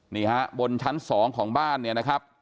นี่ฮะบนชั้น๒ของบ้านเนี่ยนะครับ